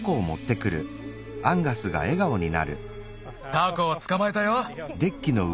タコをつかまえたよ。